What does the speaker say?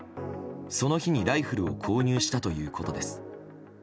その日にライフルを購入したということです。